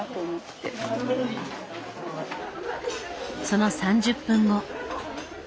その３０分後。